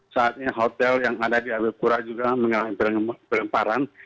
saatnya hotel yang ada di abel pura juga mengalami peremparan